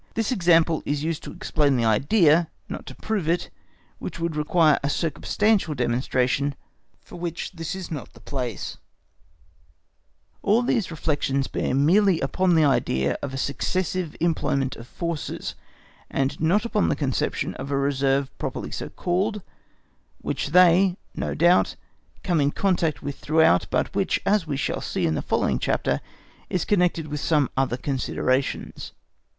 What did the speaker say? This example is used to explain the idea, not to prove it, which would require a circumstantial demonstration, for which this is not the place.(*) (*) Compare Book VII., second edition, p. 56. All these reflections bear merely upon the idea of a successive employment of forces, and not upon the conception of a reserve properly so called, which they, no doubt, come in contact with throughout, but which, as we shall see in the following chapter, is connected with some other considerations.